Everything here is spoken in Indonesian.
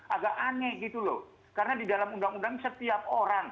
agak aneh gitu loh karena di dalam undang undang setiap orang